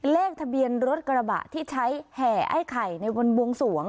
เลขทะเบียนรถกระบะที่ใช้แห่ไอ้ไข่ในวันบวงสวง